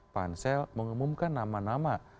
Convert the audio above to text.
pansel mengumumkan nama nama